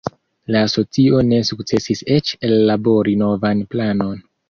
La asocio ne sukcesis eĉ ellabori novan planon.